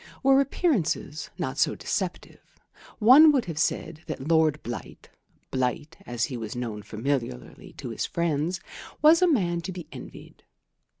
Were appearances not so deceptive, one would have said that Lord Blight ("Blight," as he was known familiarly to his friends) was a man to be envied.